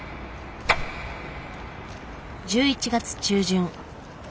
１１月中旬。